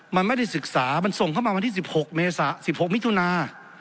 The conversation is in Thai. มันไม่ได้ศึกษามันส่งเข้ามาวันที่๑๖เมษา๑๖มิถุนา